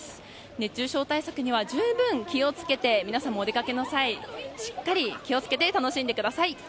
熱中症対策には十分気を付けて皆さんもお出かけの際にはしっかり気を付けて楽しんでください。